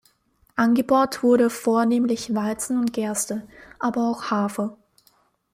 Angebaut wurde vornehmlich Weizen und Gerste, aber auch Hafer.